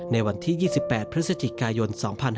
ในวันที่๒๘พฤศจิกายน๒๕๕๙